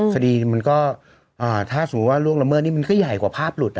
คดีมันก็ถ้าสมมุติว่าล่วงละเมิดนี่มันก็ใหญ่กว่าภาพหลุด